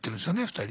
２人。